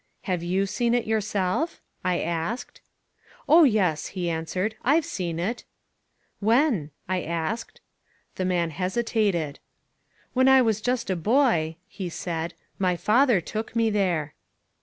"Have you seen it yourself?" I asked. "Oh, yes," he answered. "I've seen it." "When?" I asked. The man hesitated. "When I was just a boy," he said, "my father took me there."